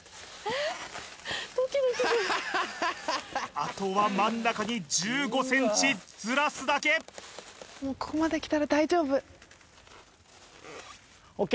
あとは真ん中に１５ｃｍずらすだけもうここまできたら大丈夫ＯＫ！